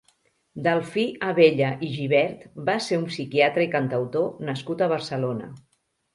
Delfí Abella i Gibert va ser un psiquiatra i cantautor nascut a Barcelona.